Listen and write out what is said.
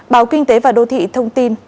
báo kinh tế và đô thị thông tin